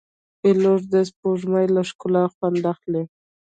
پیلوټ د سپوږمۍ له ښکلا خوند اخلي.